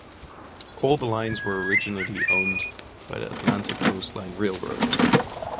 All the lines were originally owned by the Atlantic Coast Line Railroad.